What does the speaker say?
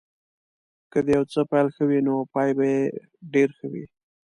که د یو څه پيل ښه وي نو پای به یې ډېر ښه وي.